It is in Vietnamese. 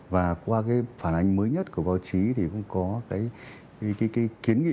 và qua cái phản ánh mới nhất của báo chí thì cũng có cái kiến nghị